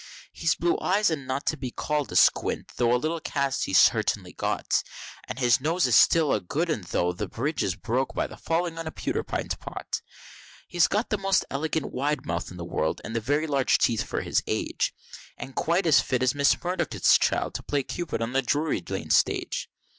He's blue eyes, and not to be call'd a squint, though a little cast he's certainly got; And his nose is still a good un, tho' the bridge is broke, by his falling on a pewter pint pot; He's got the most elegant wide mouth in the world, and very large teeth for his age; And quite as fit as Mrs. Murdockson's child to play Cupid on the Drury Lane Stage.